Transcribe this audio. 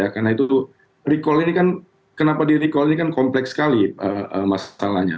karena itu recall ini kan kompleks sekali masalahnya